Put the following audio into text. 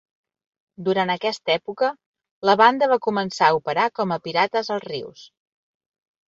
Durant aquesta època, la banda va començar a operar com a pirates als rius.